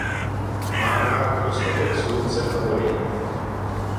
Má rád dostatek slunce a vody.